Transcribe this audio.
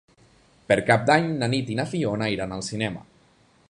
Per Cap d'Any na Nit i na Fiona iran al cinema.